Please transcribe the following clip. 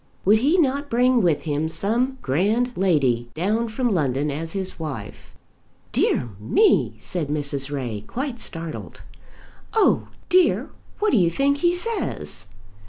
Would he not bring with him some grand lady down from London as his wife? "Dear me!" said Mrs. Ray, quite startled. "Oh, dear! What do you think he says?"